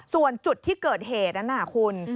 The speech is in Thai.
ส่วนจุดที่เกิดเหตุนั้นคุณ